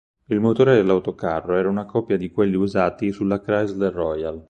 Il motore dell'autocarro era una copia di quelli usati sulla Chrysler Royal.